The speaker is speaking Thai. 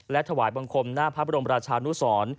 และถวายบังคมหน้าพระบรมราชานุสร